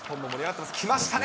きましたね。